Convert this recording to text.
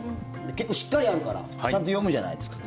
結構しっかりあるからちゃんと読むじゃないですか。